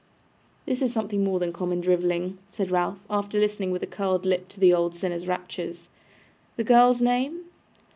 'This is something more than common drivelling,' said Ralph, after listening with a curled lip to the old sinner's raptures. 'The girl's name?